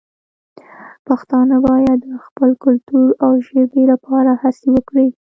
پښتانه باید د خپل کلتور او ژبې لپاره هڅې وکړي.